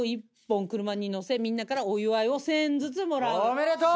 おめでとう！